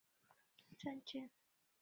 筑波是大日本帝国海军的巡洋战舰。